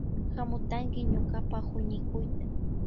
Hamutanki ñukapa huñikuyta.